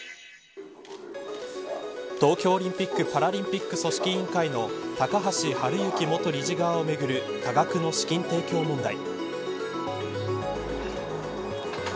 東京オリンピック・パラリンピック組織委員会の高橋治之元理事側をめぐる多額の資金提供問題。